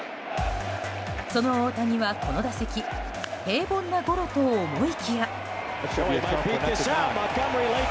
その大谷はこの打席平凡なゴロと思いきや。